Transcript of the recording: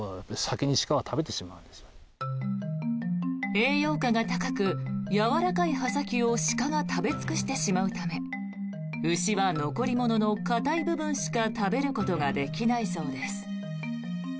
栄養価が高くやわらかい葉先を鹿が食べ尽くしてしまうため牛は残り物の硬い部分しか食べることができないそうです。